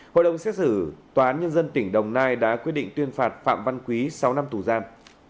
hội đồng xét xử tòa án nhân dân tỉnh đồng nai đã quyết định tuyên phạt phạm văn quý sáu năm tù giam